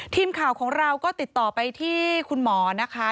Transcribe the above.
ทีมข่าวของเราก็ติดต่อไปที่คุณหมอนะคะ